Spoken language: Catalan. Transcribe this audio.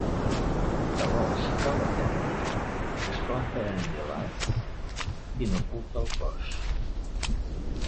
Talos cau a terra, esclafa en Hilas i n'oculta el cos.